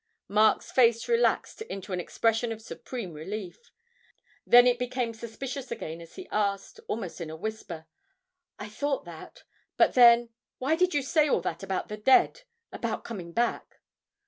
Mark's face relaxed into an expression of supreme relief; then it became suspicious again as he asked, almost in a whisper, 'I thought that but then, why did you say all that about the dead about coming back?'